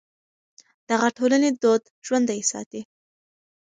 دغه ټولنې دود ژوندی ساتي.